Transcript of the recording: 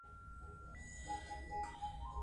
هغه وویل چې کندهار ته ځي.